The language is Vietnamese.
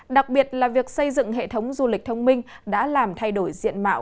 đặc biệt là việc xây dựng hệ thống du lịch thông minh đã làm thay đổi diện mạo